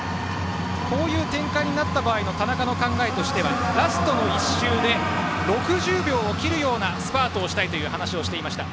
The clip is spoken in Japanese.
こういう展開になった場合の田中の考えとしてはラストの１周で６０秒を切るようなスパートをしたいという話をしていました。